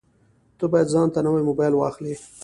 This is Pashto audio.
ته باید ځانته نوی مبایل واخلې